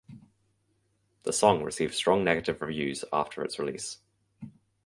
The song received strong negative reviews after its release.